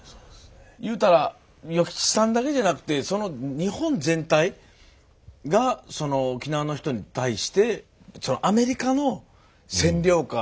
言うたら与吉さんだけじゃなくて日本全体が沖縄の人に対してアメリカの占領下。